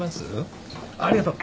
ありがと。